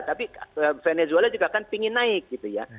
tapi venezuela juga akan ingin naik gitu ya